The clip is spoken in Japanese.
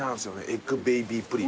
エッグベイビープリン。